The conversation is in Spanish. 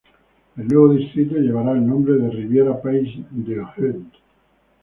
El nuevo distrito llevará el nombre de Riviera-Pays-d'Enhaut.